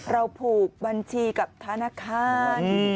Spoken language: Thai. เราผูกบัญชีกับธนาคาร